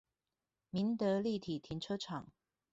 民德立體停車場